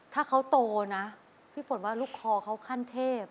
ถ้าเขาโตนะพี่ฝนว่าลูกคอเขาขั้นเทพ